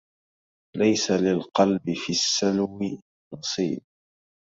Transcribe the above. ليس للقلب في السلو نصيب